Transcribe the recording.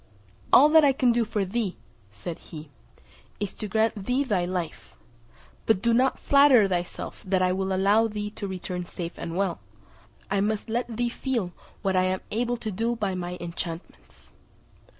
"All that I can do for thee," said he, "is, to grant thee thy life; but do not flatter thyself that I will allow thee to return safe and well; I must let thee feel what I am able to do by my enchantments."